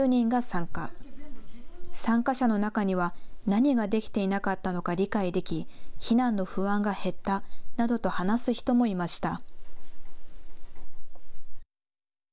参加者の中には何ができていなかったのか理解でき、避難の不安が減ったなどと話す人もいました。